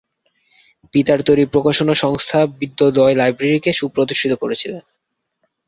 পিতার তৈরী প্রকাশনা সংস্থা বিদ্যোদয় লাইব্রেরী কে সুপ্রতিষ্ঠিত করেছিলেন।